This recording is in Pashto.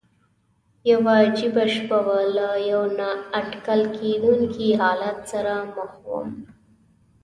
یوه عجیبه شپه وه، له یوه نا اټکل کېدونکي حالت سره مخ ووم.